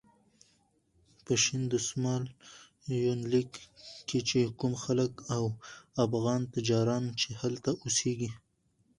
په شین دسمال یونلیک کې چې کوم خلک او افغان تجاران چې هلته اوسېږي.